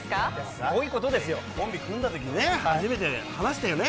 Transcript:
すごいことですよ、コンビ組んだときね、初めて話したよね。